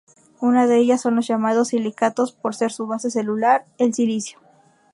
Una de ellas son los llamados Silicatos, por ser su base celular el silicio.